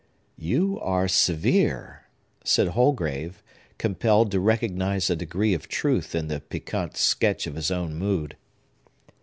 "You are severe," said Holgrave, compelled to recognize a degree of truth in the piquant sketch of his own mood.